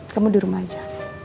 kamu di rumah aja